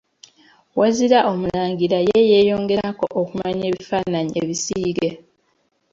Wazira omulangira ye yayongerako okumanya ebifaananyi ebisiige.